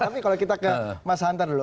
tapi kalau kita ke mas hantar dulu